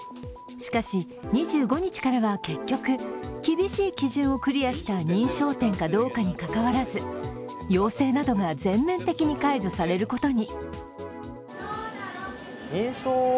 しかし、２５日からは結局、厳しい基準をクリアした認証店かどうかにかかわらず要請などが全面的に解除されることに。